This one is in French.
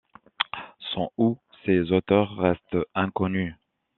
Son ou ses auteurs restent inconnus.